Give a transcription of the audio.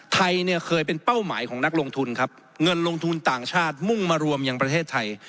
ไทยเนี่ยเคยเป็นเป้าหมายของนักลงทุนครับเงินลงทุนต่างชาติมุ่งมารวมยังประเทศไทย